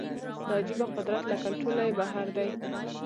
دا عجیبه قدرت له کنټروله یې بهر دی